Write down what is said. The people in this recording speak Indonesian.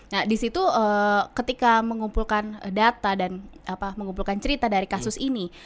nah disitu ketika mengumpulkan data dan mengumpulkan cerita dari kasus ini